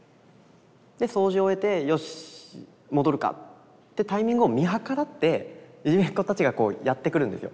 で掃除を終えてよし戻るかってタイミングを見計らっていじめっ子たちがやって来るんですよ。